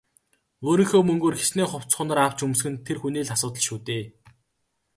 Өөрийнхөө мөнгөөр хэчнээн хувцас хунар авч өмсөх нь тэр хүний л асуудал шүү дээ.